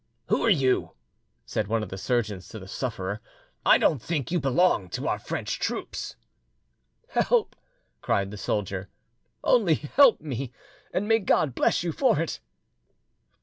"Who are you?" said one of the surgeons to the sufferer. "I don't think you belong to our French troops." "Help!" cried the soldier, "only help me! and may God bless you for it!"